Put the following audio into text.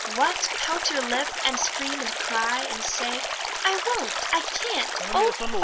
What! pout your lip, and scream and cry, And say, "I won't, I can't:" Oh fie!